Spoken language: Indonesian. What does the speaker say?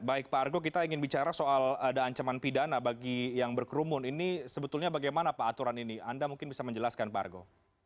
baik pak argo kita ingin bicara soal ada ancaman pidana bagi yang berkerumun ini sebetulnya bagaimana pak aturan ini anda mungkin bisa menjelaskan pak argo